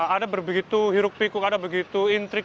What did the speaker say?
ada begitu hiruk pikuk ada begitu intrik